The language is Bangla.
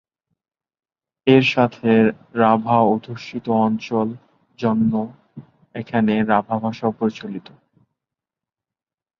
এর সাথে রাভা অধ্যুষিত অঞ্চল জন্য এখানে রাভা ভাষাও প্রচলিত।